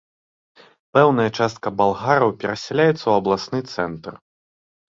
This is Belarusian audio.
Пэўная частка балгараў перасяляецца ў абласны цэнтр.